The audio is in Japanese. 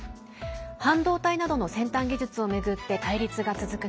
半導体などの先端技術を巡って対立が続く